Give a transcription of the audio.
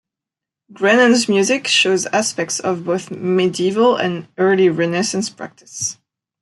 Grenon's music shows aspects of both medieval and early Renaissance practice.